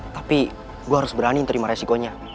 tapi gue harus berani menerima resikonya